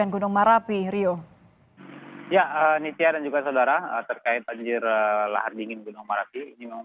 gunung marapi kembali memperlihatkan peningkatan aktivitas